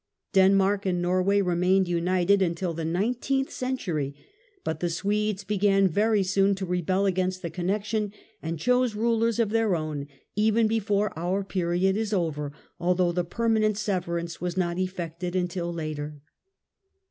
Denmark and Norway remained united until the nineteenth cen tury, but the Swedes began very soon to rebel against the connection, and chose rulers of their own even be fore our period is over, although the permanent sever ance was not effected until later.